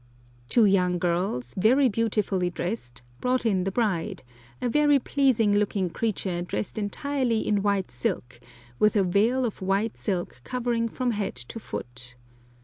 Two young girls, very beautifully dressed, brought in the bride, a very pleasing looking creature dressed entirely in white silk, with a veil of white silk covering her from head to foot.